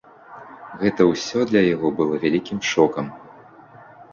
Гэта ўсё для яго было вялікім шокам.